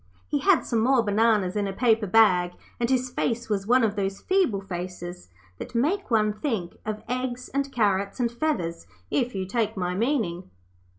He had some more bananas in a paper bag, and his face was one of those feeble faces that make one think of eggs and carrots and feathers, if you take my meaning.